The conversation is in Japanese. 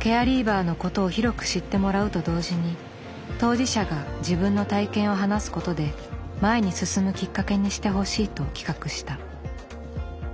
ケアリーバーのことを広く知ってもらうと同時に当事者が自分の体験を話すことで前に進むきっかけにしてほしいと企画した。